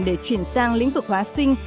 để chuyển sang lĩnh vực hóa sinh